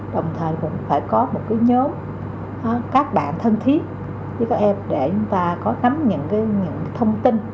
đồng thời cũng phải có một cái nhóm các bạn thân thiết với các em để chúng ta có nắm những cái thông tin